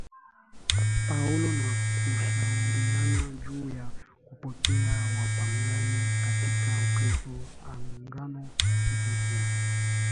Paulo na kushauriana juu ya kupokea Wapagani katika Ukristo Agano Jipya